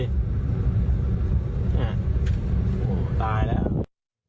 โอ้โฮตายแล้ว